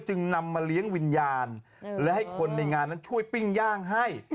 จึงนำมาเลี้ยงวิญญาณและให้คนในงานนั้นช่วยปิ้งย่างให้